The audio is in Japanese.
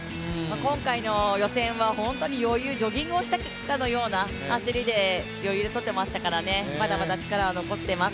今回の予選は本当に余裕、ジョギングをしたような走りで余裕でとっていましたからね、まだまだ力は残っています。